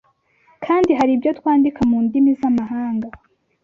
kandi hari ibyo twandika mu ndimi z’amahanga